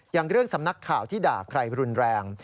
อย่างเรื่องสำนักข่าวที่ด่าใครรุนแรง